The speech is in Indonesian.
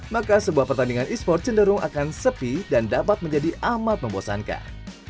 maka sebuah pertandingan e sport cenderung akan sepi dan dapat menjadi amat membosankan